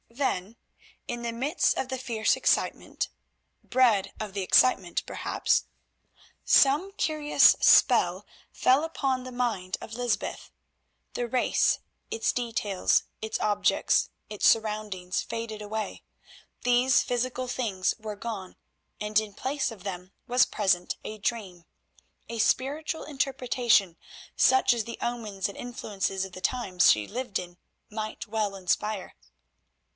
Then in the midst of the fierce excitement—bred of the excitement perhaps—some curious spell fell upon the mind of Lysbeth. The race, its details, its objects, its surroundings faded away; these physical things were gone, and in place of them was present a dream, a spiritual interpretation such as the omens and influences of the times she lived in might well inspire.